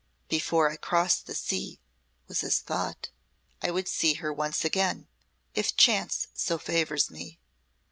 "Before I cross the sea," was his thought, "I would see her once again if chance so favors me.